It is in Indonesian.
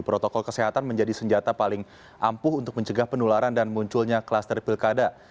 protokol kesehatan menjadi senjata paling ampuh untuk mencegah penularan dan munculnya kluster pilkada